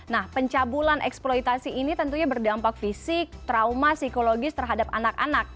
nah pencabulan eksploitasi ini tentunya berdampak fisik trauma psikologis terhadap anak anak